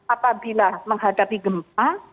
apabila menghadapi gempa